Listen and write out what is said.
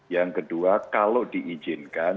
yang kedua kalau diizinkan